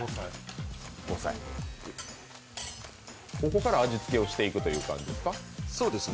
そこから味付けをしていくという感じですか？